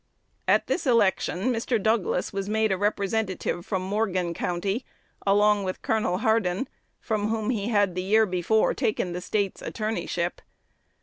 At this election Mr. Douglas was made a Representative from Morgan County, along with Col. Hardin, from whom he had the year before taken the State's attorneyship.